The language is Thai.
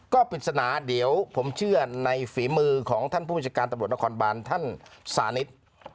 ก็ปริศนาเดี๋ยวผมเชื่อในฝีมือของท่านผู้บัญชาการตำรวจนครบานท่านสานิท